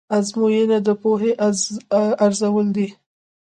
ازموینه د پوهې ارزول دي.